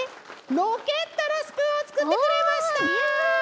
ロケットのスプーンをつくってくれました。